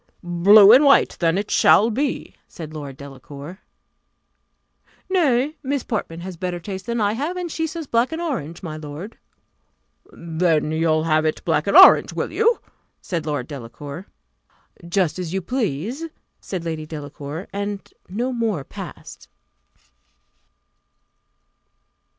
"Blue and white then it shall be," said Lord Delacour. "Nay, Miss Portman has a better taste than I have; and she says black and orange, my lord." "Then you'll have it black and orange, will you?" said Lord Delacour. "Just as you please," said Lady Delacour, and no more passed.